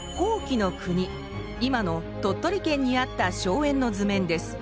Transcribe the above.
今の鳥取県にあった荘園の図面です。